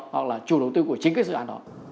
hoặc là chủ đầu tư của chính cái dự án đó